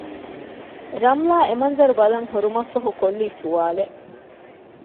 ރަމްލާ އެމަންޒަރު ބަލަން ހުރުމަށްފަހު ކޮށްލީ ސްވާލެއް